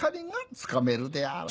つかめるであろう。